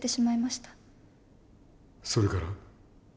それから？